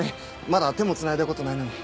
まだ手もつないだことないのに。